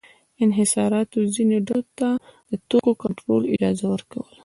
انحصاراتو ځینو ډلو ته د توکو کنټرول اجازه ورکوله.